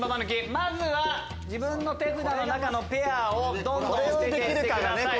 まずは自分の手札のペアをどんどん捨てて行ってください。